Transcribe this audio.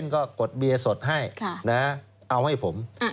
๗๑๑ก็กดเบียสดให้นะเอาให้ผม